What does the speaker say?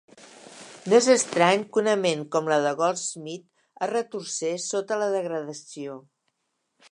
No és estrany que una ment com la de Goldsmith es retorcés sota la degradació.